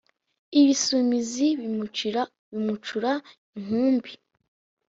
Ibisumizi bimucura inkumbi